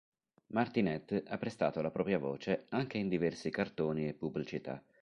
Martinet ha prestato la propria voce anche in diversi cartoni e pubblicità.